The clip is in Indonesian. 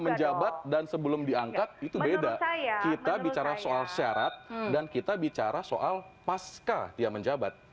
menjabat dan sebelum diangkat itu beda kita bicara soal syarat dan kita bicara soal pasca dia menjabat